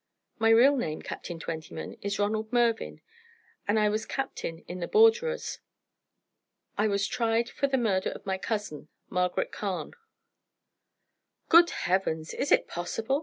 My real name, Captain Twentyman, is Ronald Mervyn, and I was captain in the Borderers. I was tried for the murder of my cousin, Margaret Carne." "Good Heavens! Is it possible?"